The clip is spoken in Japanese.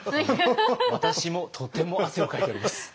私もとても汗をかいております。